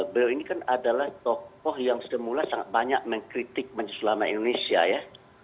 beliau ini kan adalah tokoh yang semula sangat banyak mengkritik majelis ulama indonesia ya